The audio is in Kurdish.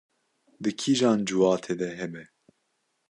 di kîjan ciwatê de hebe